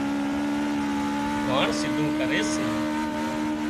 واڻ سيڌون ڪري سي